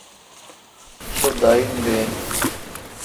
سو داین دین۔